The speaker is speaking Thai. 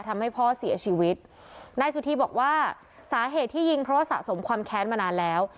ทำให้พ่อเสียชีวิตนายสุธีบอกว่าสาเหตุที่ยิงเพราะว่าสะสมความแค้นมานานแล้ว